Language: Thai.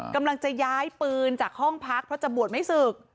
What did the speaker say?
กำลังจะย้ายปืนจากห้องพักเพราะจะบวชไม่ศึก